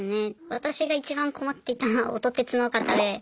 私がいちばん困っていたのは音鉄の方で。